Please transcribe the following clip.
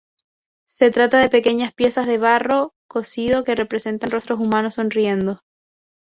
Se trata de pequeñas piezas de barro cocido que representan rostros humanos sonriendo.